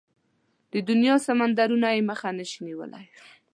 د دنيا سمندرونه يې مخه نشي نيولای.